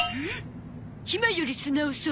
ひまより素直そう。